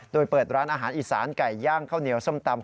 โดยเปิดร้านอาหารอีสานไก่ย่างข้าวเหนียวส้มตำ